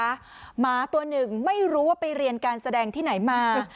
หมาตัวหนึ่งไม่รู้ว่าไปเรียนการแสดงที่ไหนมา